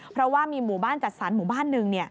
เพราะว่ามีหมู่บ้านจัดสรรหมู่บ้านหนึ่ง